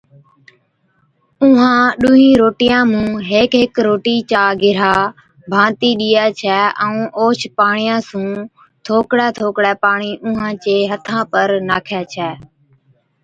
اُونھان ڏُونھِين روٽِيان مُون ھيڪ ھيڪ روٽِي چا گِرھا ڀانتِي ڏِيئَي ڇَي ائُون اوھچ پاڻِيا سُون ٿوڪڙَي ٿوڪڙَي پاڻِي اُونھان چي ھٿا پر ناکَي ڇَي